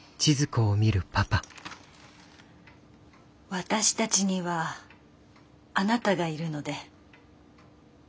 私たちにはあなたがいるので。